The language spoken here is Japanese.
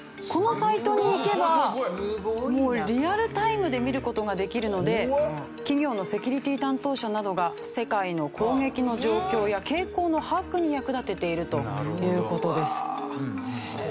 このサイトに行けばもうリアルタイムで見る事ができるので企業のセキュリティー担当者などが世界の攻撃の状況や傾向の把握に役立てているという事です。